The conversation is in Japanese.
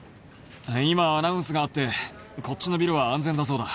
今アナウンスがあってこっちのビルは安全だそうだ。